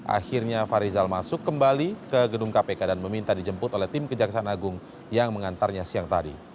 akhirnya farizal masuk kembali ke gedung kpk dan meminta dijemput oleh tim kejaksaan agung yang mengantarnya siang tadi